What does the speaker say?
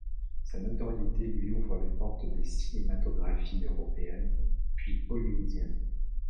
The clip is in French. Sa notoriété lui ouvre les portes des cinématographies européennes, puis hollywoodienne.